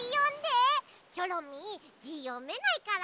チョロミーじよめないから。